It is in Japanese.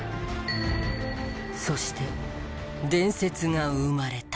そして伝説が生まれた。